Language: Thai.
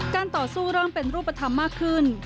ต่อสู้เริ่มเป็นรูปธรรมมากขึ้น